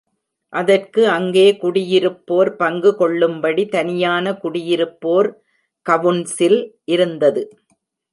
அதற்கு அங்கே குடியிருப்போர் பங்கு கொள்ளும்படி தனியான குடியிருப்போர் கவுன்சில் இருந்தது.